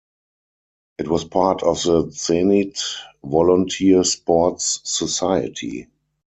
It was part of the Zenit volunteer sports society.